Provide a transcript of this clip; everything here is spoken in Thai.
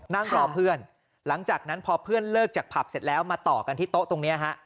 นั่งรอเพื่อนหลังจากนั้นพอเพื่อนเลิกจากผับเสร็จแล้วมาต่อกันที่โต๊ะตรงนี้ฮะ